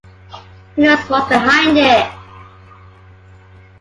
Who knows what's behind it.